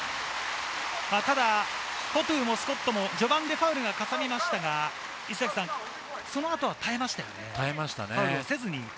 ただフォトゥもスコットも序盤でファウルがかさみましたが、耐えましたよね。